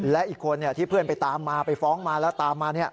และอีกคนที่เพื่อนไปตามมาไปฟ้องมาแล้วตามมา